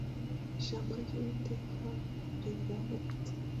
Ijambo ry’Uwiteka rinzaho riti